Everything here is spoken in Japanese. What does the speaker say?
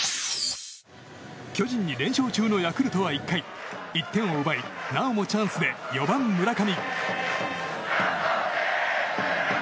巨人に連勝中のヤクルトは１回１点を奪いなおもチャンスで４番、村上。